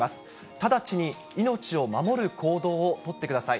直ちに命を守る行動を取ってください。